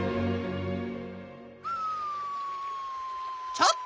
ちょっと！